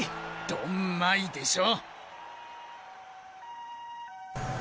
ドンマイでしょ！